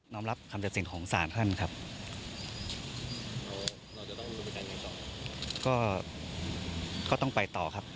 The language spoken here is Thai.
น้องรับคำเจ็บสิ่งของสารท่านครับก็ต้องไปต่อครับ